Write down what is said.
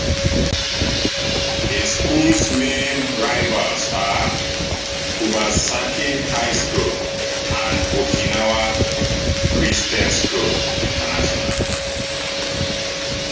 The school's main rivals are Kubasaki High School and Okinawa Christian School International.